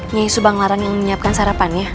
nyai subanglarang yang menyiapkan sarapannya